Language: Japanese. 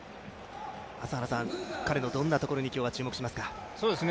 彼のどんなところに今日は注目しますか？